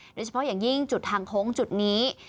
โดยเฉพาะอย่างยิ่งจุดทางโค้งจุดนี้